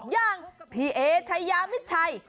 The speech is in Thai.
อย่างพี่เอชายามิดชัย